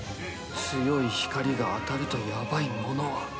強い光が当たるとヤバいものは